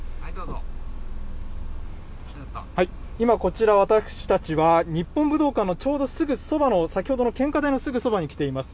今こちら、私たちは、日本武道館のちょうどすぐそばの先ほどの献花台のすぐそばに来ています。